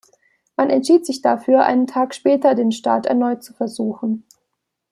Man entschied sich dafür, einen Tag später den Start erneut zu versuchen.